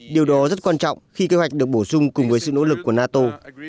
điều đó rất quan trọng khi kế hoạch được bổ sung cùng với sự nỗ lực của nato